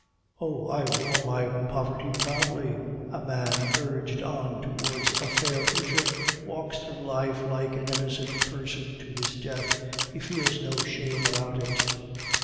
Oh, I wore my poverty proudly. A man urged on towards a fair future walks through life like an innocent person to his death; he feels no shame about it.